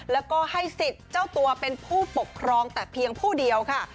แล้วก็ให้สิทธิ์เจ้าตัวเป็นผู้ปกครองแต่เพียงผู้เดียวค่ะ